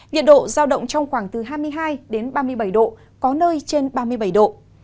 nhiệt độ giao động trong khoảng từ hai mươi hai đến ba mươi bảy độ có nơi trên ba mươi bảy độ